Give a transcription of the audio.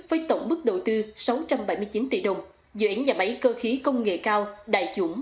với tổng mức đầu tư sáu trăm bảy mươi chín tỷ đồng dự án nhà máy cơ khí công nghệ cao đại dũng